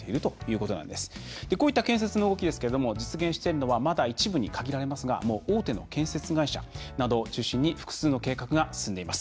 こういった建設の動きですが実現しているのはまだ一部に限られますがもう大手の建設会社などを中心に複数の計画が進んでいます。